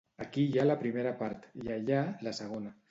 Aquí hi ha la primera part i allà, la segona.